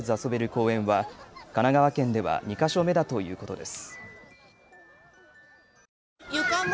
公園は神奈川県では２か所目だということです。